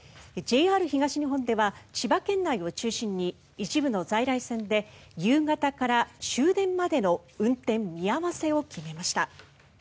ＪＲ東日本では千葉県内を中心に一部の在来線で夕方から終電までの運転見合わせを決めました。